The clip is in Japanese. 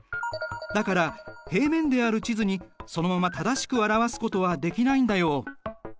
だから平面である地図にそのまま正しく表すことはできないんだよ。